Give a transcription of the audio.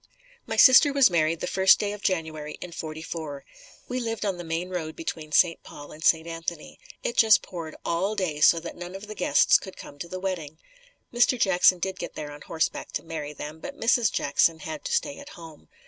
My sister was married the first day of January in '44. We lived on the Main Road between St. Paul and St. Anthony. It just poured all day, so that none of the guests could come to the wedding. Mr. Jackson did get there on horseback to marry them, but Mrs. Jackson had to stay at home.